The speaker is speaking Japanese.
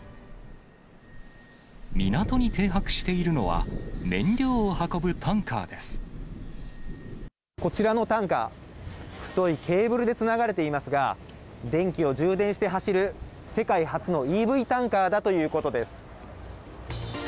港に停泊しているのは、こちらのタンカー、太いケーブルでつながれていますが、電気を充電して走る、世界初のＥＶタンカーだということです。